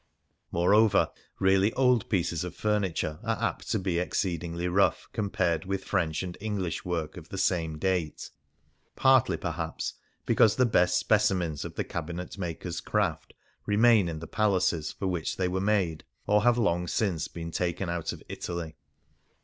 More over, really old pieces of furniture are apt to be exceedingly rough compared with French and English work of the same date ; partly, perhaps, because the best specimens of the cabinet makers craft remain in the palaces for which they were made, or have long since been taken out of Italy.